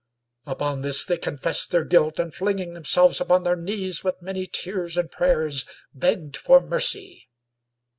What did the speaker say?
Upon this they confessed their guilt, and flinging them selves upon their knees with many tears and prayers begged for mercy.